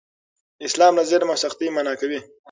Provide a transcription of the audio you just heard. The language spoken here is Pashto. اسلام له ظلم او سختۍ منع کوي.